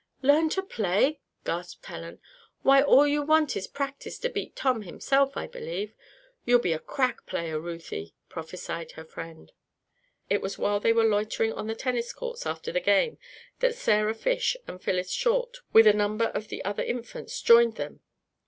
"Learn to play!" gasped Helen. "Why, all you want is practice to beat Tom himself, I believe. You'll be a crack player, Ruthie," prophesied her friend. It was while they were loitering on the tennis courts after the game that Sarah Fish and Phyllis Short, with a number of the other Infants, joined them.